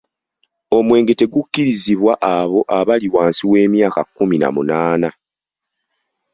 Omwenge tegukkirizibwa abo abali wansi w’emyaka kkumi na munaana.